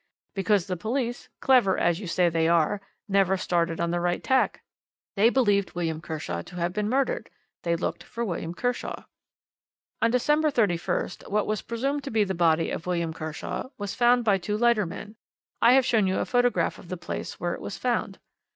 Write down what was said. Because the police, clever as you say they are, never started on the right tack. They believed William Kershaw to have been murdered; they looked for William Kershaw. "On December the 31st, what was presumed to be the body of William Kershaw was found by two lightermen: I have shown you a photograph of the place where it was found.